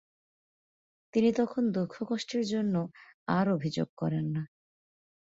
তিনি তখন দুঃখকষ্টের জন্য আর অভিযোগ করেন না।